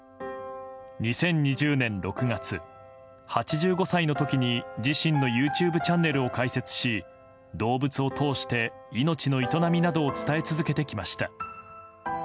２０２０年６月８５歳の時に自身のＹｏｕＴｕｂｅチャンネルを開設し、動物を通して命の営みなどを伝え続けてきました。